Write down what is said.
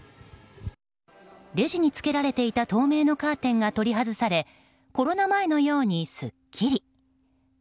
レジにつけられていた透明のカーテンが取り外されコロナ前のように、すっきり。